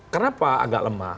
kenapa agak lemah